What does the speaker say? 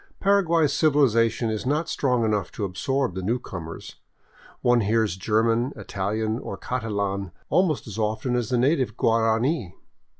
Paraguay's civilization is not strong enough to absorb the newcomers ; one hears German, Italian, or Catalan almost as often as the native Guarani.